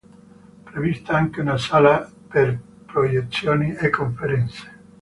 Prevista anche una sala per proiezioni e conferenze.